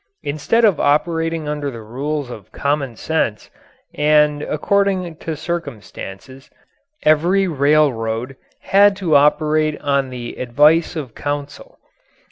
Instead of operating under the rules of common sense and according to circumstances, every railroad had to operate on the advice of counsel.